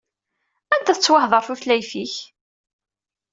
Anda tettwahdar tutlayt-ik?